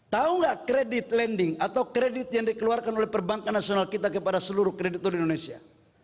tahu nggak kredit lending atau kredit yang dikeluarkan oleh perbankan nasional kita kepada seluruh kreditur di indonesia